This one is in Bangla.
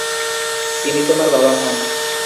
ইনি তোমার বাবা হন।